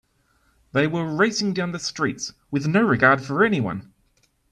They were racing down the streets with no regard for anyone.